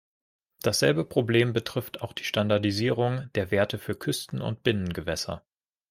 Dasselbe Problem betrifft auch die Standardisierung der Werte für Küsten- und Binnengewässer.